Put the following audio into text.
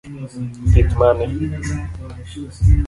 Pith mane?